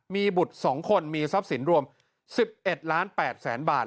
มีบุตร๒คนมีทรัพย์สินรวม๑๑๘๐๐๐๐๐บาท